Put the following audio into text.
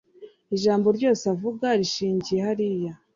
ijambo ryose avuga rishingiye hariya